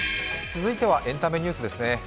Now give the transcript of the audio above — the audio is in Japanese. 続いてはエンタメニュースですね。